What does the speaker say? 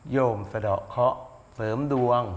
โยมสะดอกข้อเสริมดวง